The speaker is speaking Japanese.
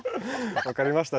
分かりました。